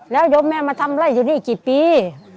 แล้วยมแม่มาทำไล่อยู่นี่กี่ปี